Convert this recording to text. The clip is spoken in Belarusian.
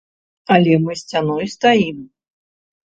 Але мы сцяной стаім.